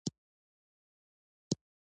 د شاعری له لارې پیغام ورکول اسانه دی.